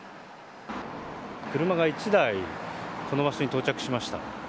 車が１台この場所に到着しました。